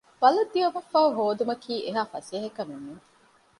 ވަލަށް ދިޔުމަށްފަހު ހޯދުމަކީ އެހާ ފަސޭހަކަމެއްނޫން